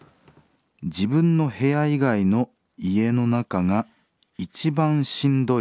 「自分の部屋以外の家の中が一番しんどいです」。